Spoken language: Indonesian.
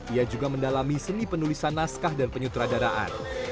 ia juga mendalami seni penulisan naskah dan penyutradaraan